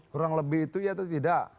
kurang lebih itu ya atau tidak